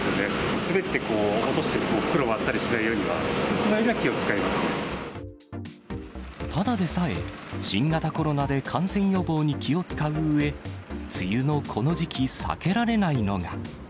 滑って落として袋を割ったりしないようには、ただでさえ、新型コロナで感染予防に気を遣ううえ、梅雨のこの時期、避けられないのが。